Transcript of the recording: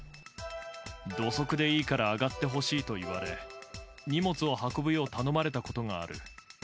土足でいいから上がってほしいと言われ、荷物を運ぶよう頼まれたことがある。